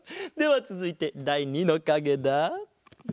ではつづいてだい２のかげだ。